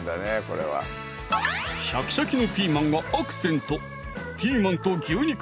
シャキシャキのピーマンがアクセント